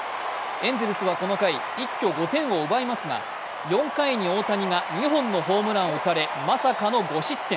エンゼルスはこの回、一挙５点を奪いますが４回に大谷が２本のホームランを打たれ、まさかの５失点。